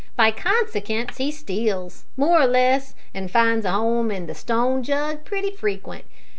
By consikence he steals, more or less, an finds a 'ome in the `stone jug' pretty frequent.